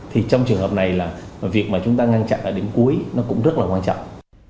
thì trong trường hợp này việc chúng ta ngăn chặn ở điểm cuối cũng rất là quan trọng